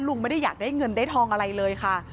ลุงไม่ได้อยากได้เงินได้ทองอะไรเลยค่ะ